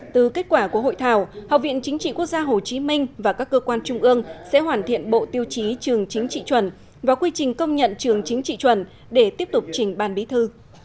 từ kết quả của hội thảo học viện chính trị quốc gia hồ chí minh và các cơ quan trung ương sẽ hoàn thiện bộ tiêu chí trường chính trị chuẩn và quy trình công nhận trường chính trị chuẩn để tiếp tục trình ban bí thư